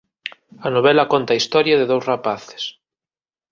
A novela conta a historia de dous rapaces